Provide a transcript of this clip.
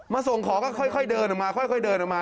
ส่งของก็ค่อยเดินออกมาค่อยเดินออกมา